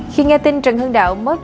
khi nghe tin trần hưng đạo mất